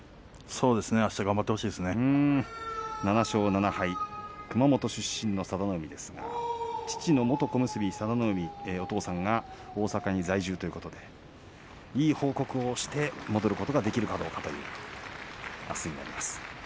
７勝７敗、熊本出身の佐田の海ですが父の元小結佐田の海、お父さんが大阪に在住ということでいい報告をして戻ることができるかどうかというあすになります。